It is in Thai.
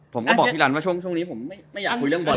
ผมก็บอกพี่รันว่าช่วงนี้ผมไม่อยากคุยเรื่องบอล